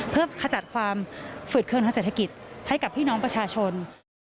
เพื่อขจัดความฝืดเครื่องทางเศรษฐกิจให้กับพี่น้องประชาชน